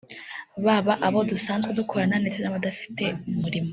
baba abo dusanzwe dukorana ndetse n’abadafite umurimo